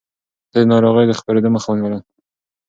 ده د ناروغيو د خپرېدو مخه ونيوله.